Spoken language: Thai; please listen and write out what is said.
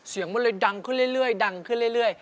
เสียงมันเลยดังขึ้นเรื่อยดังขึ้นเรื่อย